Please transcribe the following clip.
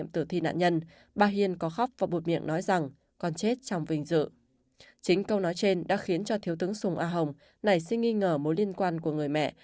thiếu tướng sùng a hồng này xin nghi ngờ mối liên quan của người mẹ